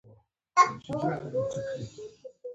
د اقتصاد پیاوړتیا د خلکو ژوند ښه کوي.